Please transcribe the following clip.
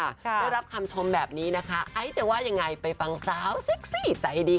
ได้รับคำชมแบบนี้นะคะไอซ์จะว่ายังไงไปฟังสาวเซ็กซี่ใจดี